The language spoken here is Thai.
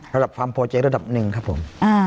ระดับความพอใจระดับหนึ่งครับผม